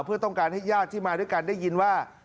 เพื่อต้องการให้ญาติที่มาด้วยกันได้ยินว่า